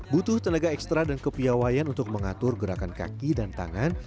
butuh tenaga ekstra dan kepiawayan untuk mengatur gerakan kaki dan tangan